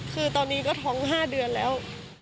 คือตอนนี้ก็ท้อง๕เดือนแล้ว